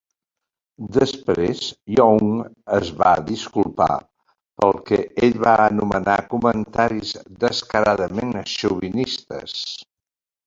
Després, Young es va disculpar pel que ell va anomenar comentaris descaradament xovinistes.